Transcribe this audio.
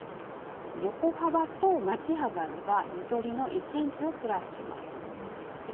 横幅とまち幅にはゆとりの１ｃｍをプラスします。